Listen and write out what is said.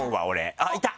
あっいた！